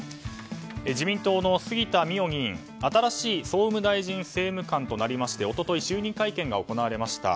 自民党の杉田水脈議員、新しい総務大臣政務官となりまして一昨日、就任会見が行われました。